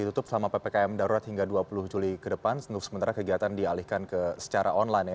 ditutup selama ppkm darurat hingga dua puluh juli ke depan untuk sementara kegiatan dialihkan secara online ya